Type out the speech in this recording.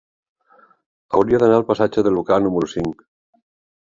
Hauria d'anar al passatge de Lucà número cinc.